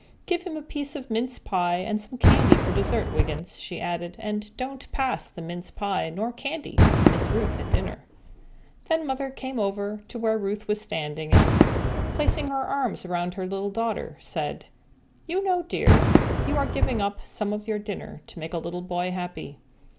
"Give him a piece of mince pie and some candy for dessert, Wiggins," she added, "and don't pass the mince pie nor candy to Miss Ruth at dinner." Then Mother came over to where Ruth was standing and, placing her arms around her little daughter, said, "You know, dear, you are giving up some of your dinner to make a little boy happy."